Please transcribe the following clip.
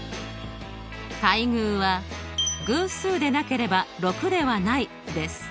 対偶は「偶数でなければ６ではない」です。